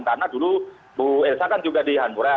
karena dulu bu elsa kan juga di hanpur ya